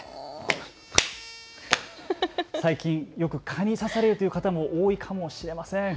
最近よく蚊に刺されるっていう方も多いかもしれません。